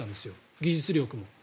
技術力も。